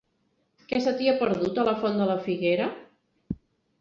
Què se t'hi ha perdut, a la Font de la Figuera?